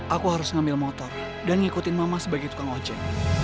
aku harus ngambil motor dan ngikutin mama sebagai tukang ojek